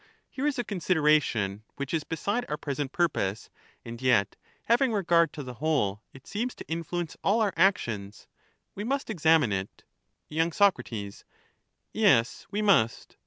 Here is a consideration which is beside our present purpose, and yet having regard to the whole it seems to influence all our actions : we must examine it y. Soc. Yes, we must.